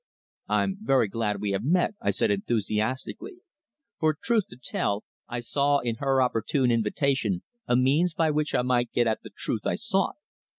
"I'm very glad we have met," I said enthusiastically, for, truth to tell, I saw in her opportune invitation a means by which I might get at the truth I sought.